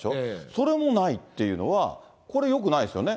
それもないっていうのは、これよくないですよね。